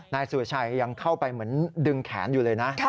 นายสุรชัยยังเข้าไปเหมือนดึงแขนอยู่เลยนะ